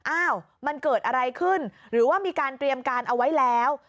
อ้าวมันเกิดอะไรขึ้นหรือว่ามีการเตรียมการเอาไว้แล้ว